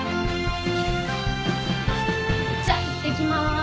じゃいってきます。